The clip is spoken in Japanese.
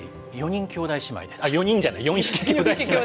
４匹兄弟姉妹ですね。